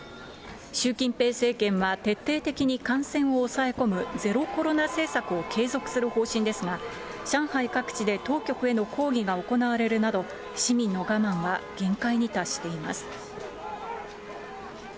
習近平政権は、徹底的に感染を抑え込むゼロコロナ政策を継続する方針ですが、上海各地で当局への抗議が行われるなど、市民の我慢は限界に達しています。